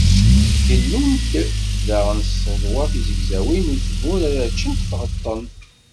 Gellun-d daɣen s tseḍwa tizegzawin n uzemmur ara ččent tɣeṭṭen.